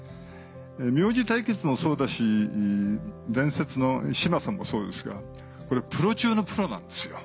「名字対決」もそうだし「伝説」の志麻さんもそうですがプロ中のプロなんですよ